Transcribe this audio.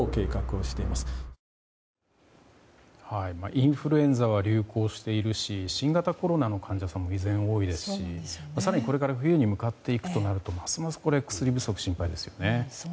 インフルエンザは流行しているし新型コロナの患者さんも依然多いですし更に、これから冬に向かっていくとなるとますます薬不足、心配ですね。